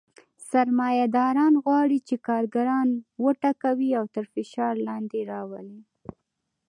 سرمایه داران غواړي چې کارګران وټکوي او تر فشار لاندې راولي